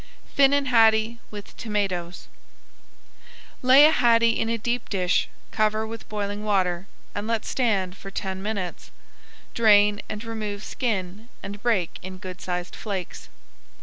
FINNAN HADDIE WITH TOMATOES Lay a haddie in a deep dish, cover with boiling water, and let stand for ten minutes. Drain and remove skin and break in good sized flakes.